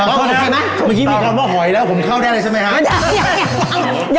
ตามคำว่าหอยแล้วผมเข้าได้เลยใช่มั้ยฮะ